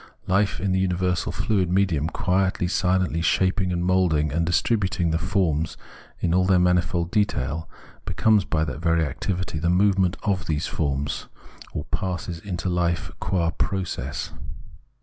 Life in the universal fluid medium, quietly, silently shaping and moulding and distributing the forms in all their manifold detail, becomes by that very activity the movement of those forms, or passes into hfe qua Process.